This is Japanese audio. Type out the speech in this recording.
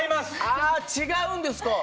あ違うんですか。